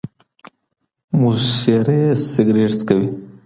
موسسې رییس سګرټ څکوي.